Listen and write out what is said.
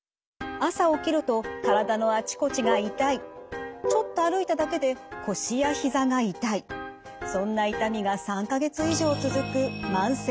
朝起きると体のあちこちが痛いちょっと歩いただけで腰やひざが痛いそんな痛みが３か月以上続く慢性痛。